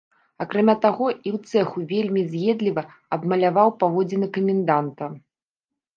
Акрамя таго, і ў цэху вельмі з'едліва абмаляваў паводзіны каменданта.